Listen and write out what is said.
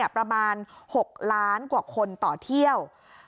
ประมาณ๖ล้านกว่าคนต่อเที่ยว